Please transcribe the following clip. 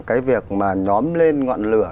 cái việc mà nhóm lên ngọn lửa